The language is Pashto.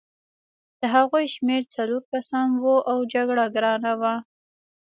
د هغوی شمېر څلور کسان وو او جګړه ګرانه وه